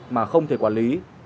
mà không thể quản lý